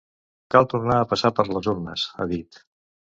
Cal tornar a passar per les urnes, ha dit.